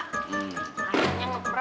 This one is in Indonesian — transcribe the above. kalau mana yang rusak